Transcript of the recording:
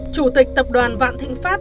chủ tịch tập đoàn vạn thịnh pháp